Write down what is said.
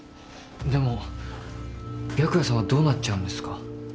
でも白夜さんはどうなっちゃうんですか？